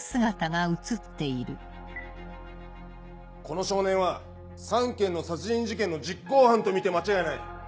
この少年は３件の殺人事件の実行犯とみて間違いない。